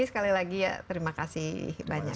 sekali lagi ya terima kasih banyak